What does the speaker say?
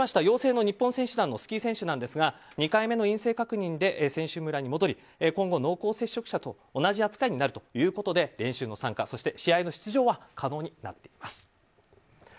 陽性の日本選手団のスキー選手なんですがスキー選手ですが２回目の陰性確認で選手村に戻り今後、濃厚接触者と同じ扱いになるということで練習への参加、試合への出場は可能になっています。